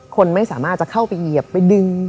คนไม่สามารถจะเข้าไปเหยียบไปดึง